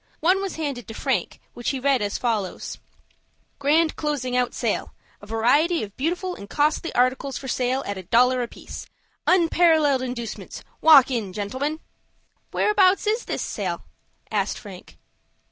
One was handed to Frank, which he read as follows,— "GRAND CLOSING OUT SALE!—A variety of Beautiful and Costly Articles for Sale, at a Dollar apiece. Unparalleled Inducements! Walk in, Gentlemen!" "Whereabouts is this sale?" asked Frank.